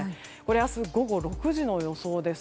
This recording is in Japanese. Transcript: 明日午後６時の予想です。